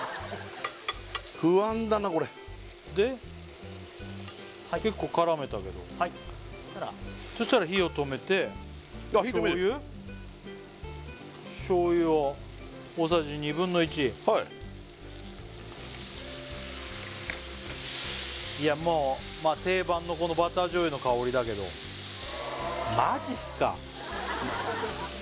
不安だなこれで結構絡めたけどそうしたら火を止めて醤油醤油を大さじ２分の１いやもう定番のバター醤油の香りだけどマジっすか？